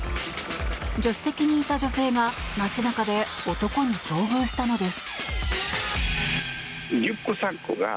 助手席にいた女性が街中で男に遭遇したのです。